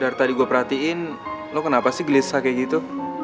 dari tadi gue perhatiin lo kenapa sih gelisah kayak gitu